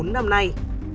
bốn năm nay